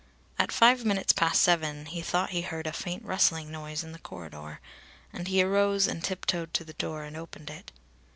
At five minutes past seven he thought he heard a faint rustling noise in the corridor, and he arose and tiptoed to the door and opened it.